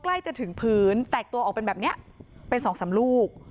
พ้อกล้ายจะถึงผืนแตกตัวออกเป็นแบบนี้ไปสองสามลูก